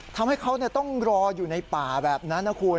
ทำให้เขาต้องรออยู่ในป่าแบบนั้นนะคุณ